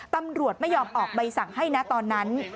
ตำรวจไม่ยอมออกใบสั่งให้นะตอนนั้น